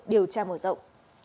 điều tra mở rộng